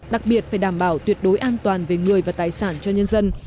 đặc biệt phải đảm bảo tuyệt đối an toàn về người và tài sản cho nhân dân